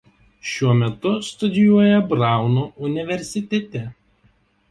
Šiuo metu studijuoja Brauno universitete.